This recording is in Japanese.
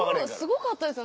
すごかったですよ。